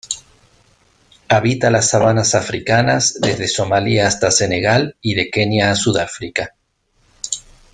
Habita las sabanas africanas desde Somalia hasta Senegal y de Kenia a Sudáfrica.